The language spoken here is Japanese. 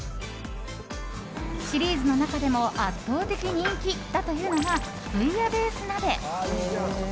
シリーズの中でも圧倒的人気だというのがブイヤベース鍋。